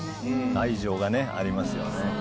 愛情がねありますよね。